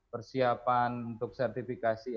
persiapan untuk sertifikasi